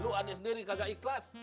lu ada sendiri kagak ikhlas